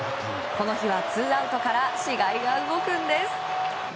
この日はツーアウトから試合が動くんです。